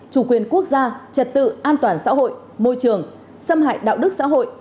chủ quyền quốc gia trật tự an toàn xã hội môi trường xâm hại đạo đức xã hội